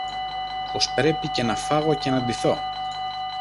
πως πρέπει και να φάγω και να ντυθώ!